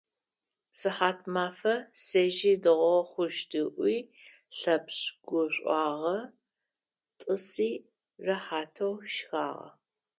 Сыхьатмафэ сежьи, дэгъоу хъущт, - ыӏуи Лъэпшъ гушӏуагъэ, тӏыси рэхьатэу шхагъэ.